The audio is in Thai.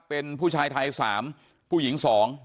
เป็นผู้ชายไทย๓ผู้หญิง๒